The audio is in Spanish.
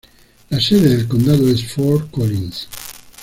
La sede del condado es Fort Collins.